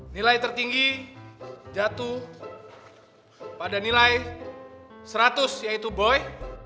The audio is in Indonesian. nilai tertinggi jatuh pada nilai seratus yaitu boy